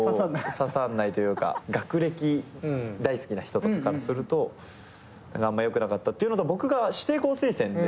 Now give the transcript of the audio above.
刺さんないというか学歴大好きな人とかからするとあんまよくなかったっていうのと僕が指定校推薦で入ってたんで。